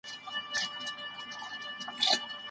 له خپلي مور سره خبرې مه بندوئ.